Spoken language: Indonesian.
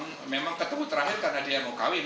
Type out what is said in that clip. yang memang ketemu terakhir karena dia mau kawin